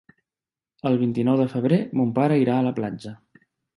El vint-i-nou de febrer mon pare irà a la platja.